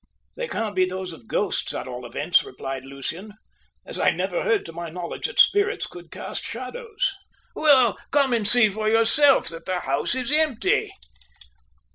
"They can't be those of ghosts, at all events," replied Lucian, "as I never heard, to my knowledge, that spirits could cast shadows." "Well, come and see for yourself that the house is empty."